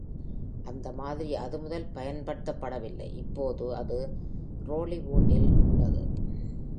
அந்த மாதிரி அதுமுதல் பயன்படுத்தப்படவில்லை, இப்போது அது Trollywood-டில் உள்ளது.